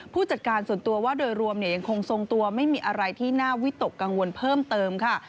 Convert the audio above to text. ผู้จัดการส่วนตัวว่าโดยรวมยังคงทรงตัวไม่มีอะไรที่น่าวิตกกังวลเพิ่มเติมค่ะ